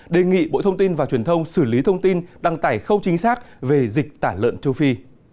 đề nghị bộ thông tin và truyền thông xử lý thông tin đăng tải không chính xác về dịch tả lợn châu phi